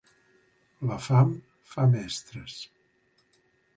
La fam fa mestres.